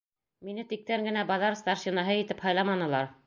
Мине тиктән генә баҙар старшинаһы итеп һайламанылар.